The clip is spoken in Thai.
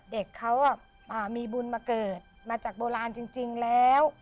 เด็กเขามีบุญมาเกิดมาจากโบราณจริงแล้ว